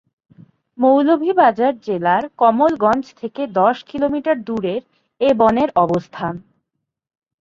মৌলভীবাজার জেলার কমলগঞ্জ থেকে দশ কিলোমিটার দূরের এ বনের অবস্থান।